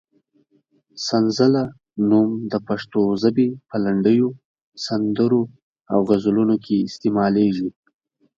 سنځله نوم د پښتو ژبې په لنډیو، سندرو او غزلونو کې استعمالېږي.